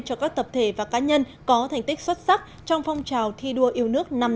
cho các tập thể và cá nhân có thành tích xuất sắc trong phong trào thi đua yêu nước năm năm qua